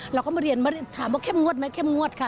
เราก็มาเรียนมาถามว่าเข้มงวดไหมเข้มงวดค่ะ